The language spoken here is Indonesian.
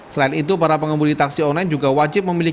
selain itu para pengembudi taksi online juga wajib memilih